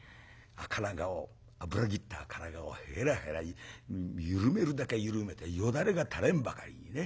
赤ら顔脂ぎった赤ら顔をへらへら緩めるだけ緩めてよだれがたれんばかりにね。